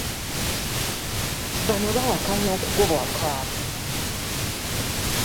Bano bawakanya okugobwa kwabwe.